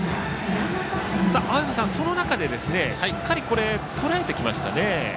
青山さん、その中でしっかりとらえてきましたね。